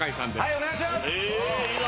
お願いします。